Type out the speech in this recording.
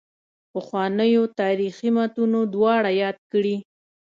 پخوانیو تاریخي متونو دواړه یاد کړي.